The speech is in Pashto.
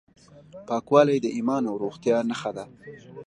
پاکوالی د ایمان او روغتیا نښه ده.